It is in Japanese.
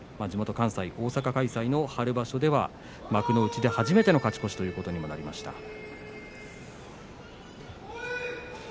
地元関西大阪開催の春場所では幕内で初めての勝ち越しということにもなりました。